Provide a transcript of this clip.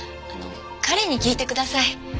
彼に聞いてください。